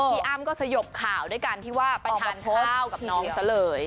อ้ำก็สยบข่าวด้วยการที่ว่าไปทานข้าวกับน้องซะเลย